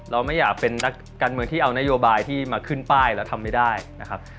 เราไม่อยากเป็นนักการเมืองที่เอานโยบายที่มาขึ้นป้ายแล้วทำไม่ได้นะครับ